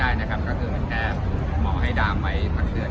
เขาก็โดนไปสู่ท่าหว่างโมงเลยว่าแล้วต้องไปเป็นโชว์เนี่ย